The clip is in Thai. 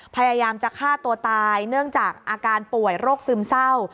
พยายามจะฆ่าตัวตายเนื่องจากอาการป่วยโรคซึมเศร้า